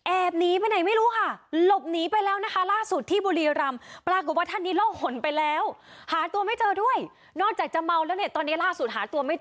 แอบหนีไปไหนลบนีไปแล้วนะคะ